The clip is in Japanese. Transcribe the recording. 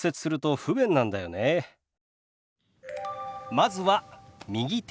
まずは「右手」。